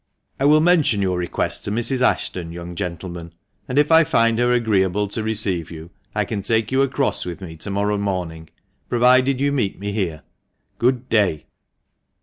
" I will mention your request to Mrs. Ashton, young gentleman, and if I find her agreeable to receive you, I can take you across with me to morrow morning, provided you meet me here. Good day."